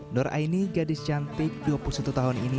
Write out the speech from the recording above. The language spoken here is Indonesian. nur aini gadis cantik dua puluh satu tahun ini